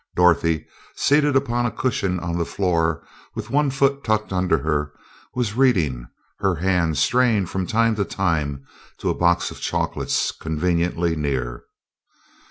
Dorothy, seated upon a cushion on the floor with one foot tucked under her, was reading, her hand straying from time to time to a box of chocolates conveniently near.